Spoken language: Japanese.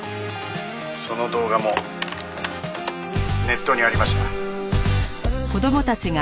「その動画もネットにありました」